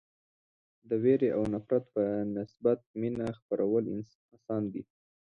د وېرې او نفرت په نسبت مینه خپرول اسان دي.